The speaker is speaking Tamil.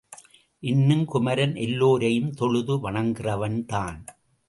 இன்னும் குமரன் எல்லோரையும் தொழுது வணங்கிறவன் தான்.